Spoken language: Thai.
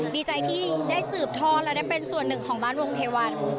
ดีใจที่ได้สืบทอดและได้เป็นส่วนหนึ่งของบ้านวงเทวัน